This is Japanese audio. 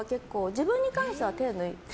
自分に関しては手を抜いて。